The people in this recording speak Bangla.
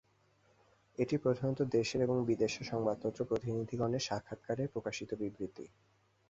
এটি প্রধানত দেশের ও বিদেশের সংবাদপত্র-প্রতিনিধিগণের সাক্ষাৎকারের প্রকাশিত বিবৃতি।